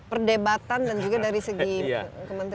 perdebatan dan juga dari segi kementerian